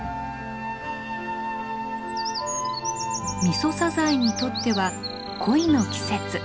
ミソサザイにとっては恋の季節。